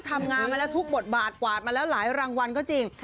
ทำงานมาแล้วทุกบทบาทกวาดมาแล้วหลายรางวัลก็จริง